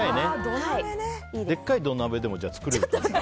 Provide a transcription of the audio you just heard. でっかい土鍋でも作れるんだ。